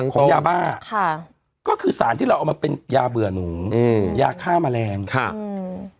ของยาบ้าค่ะก็คือสารที่เราเอามาเป็นยาเบื่อหนูอืมยาฆ่าแมลงค่ะอืม